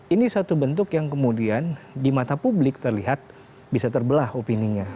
ini satu bentuk yang kemudian di mata publik terlihat bisa terbelah opininya